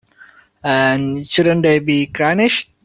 And shouldn't they be garnished?